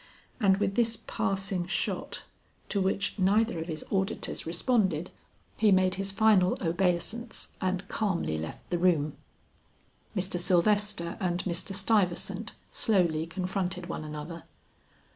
And with this passing shot, to which neither of his auditors responded, he made his final obeisance and calmly left the room. Mr. Sylvester and Mr. Stuyvesant slowly confronted one another.